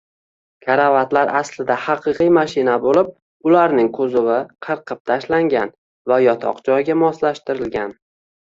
Karavotlar aslida haqiqiy mashina bo‘lib, ularning kuzovi qirqib tashlangan va yotoq joyiga moslashtirilgan